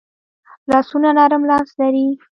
لاسونه نرم لمس لري